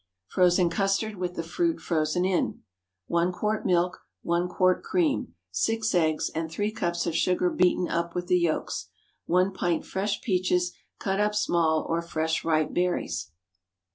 FROZEN CUSTARD WITH THE FRUIT FROZEN IN. ✠ 1 quart milk. 1 quart cream. 6 eggs, and three cups of sugar beaten up with the yolks. 1 pint fresh peaches, cut up small, or fresh ripe berries.